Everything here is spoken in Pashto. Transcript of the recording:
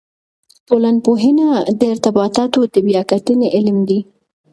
ټولنپوهنه د ارتباطاتو د بیا کتنې علم دی.